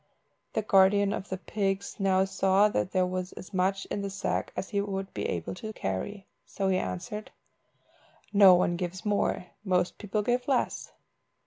The guardian of the pigs now saw that there was as much in the sack as he would be able to carry, so he answered "No one gives more, most people give less."